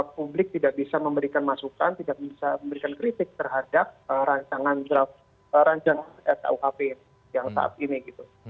publik tidak bisa memberikan masukan tidak bisa memberikan kritik terhadap rancangan rkuhp yang saat ini gitu